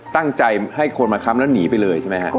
ตั้งใจให้คนมาค้ำแล้วหนีไปเลยใช่ไหมฮะ